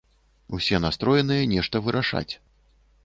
Усе настроеныя нешта вырашаць.